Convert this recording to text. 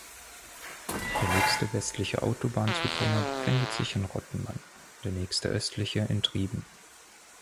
Der nächste westliche Autobahnzubringer befindet sich in Rottenmann, der nächste östliche in Trieben.